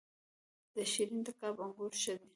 د شیرین تګاب انګور ښه دي